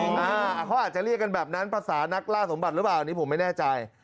เขาอาจจะเรียกกันแบบนั้นภาษานักล่าสมบัติหรือเปล่าอันนี้ผมไม่แน่ใจ